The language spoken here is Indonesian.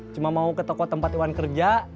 cuma mau ke toko tempat iwan kerja